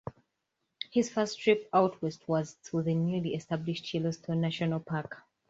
His first trip out West was to the newly established Yellowstone National Park.